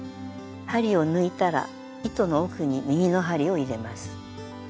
針を抜いたら糸の奥に右の針を入れます。